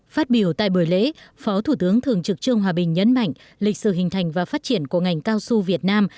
phát biểu tại buổi lễ phó thủ tướng thường trực trương hòa bình nhấn mạnh lịch sử hình thành và phát triển của ngành cao su việt nam